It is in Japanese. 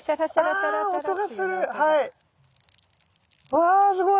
わすごい。